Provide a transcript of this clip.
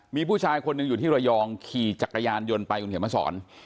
มีผู้ชายคนหนึ่งอยู่ที่ระยองขี่จักรยานยนต์ไปคุณเขียนมาสอน